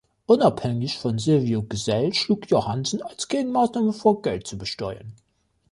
Unabhängig von Silvio Gesell schlug Johannsen als Gegenmaßnahme vor, Geld zu besteuern.